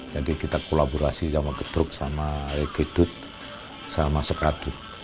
jadi kita kolaborasi sama gedruk sama reggae dut sama sekadut